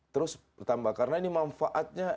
terus bertambah karena ini manfaatnya